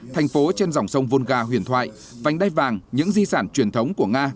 thành phố trên dòng sông volga huyền thoại vành đai vàng những di sản truyền thống của nga